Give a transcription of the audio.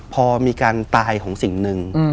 พอมีการตายของสิ่งหนึ่ง